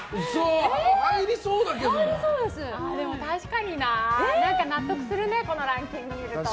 でも確かにな。納得するねこのランキング見ると。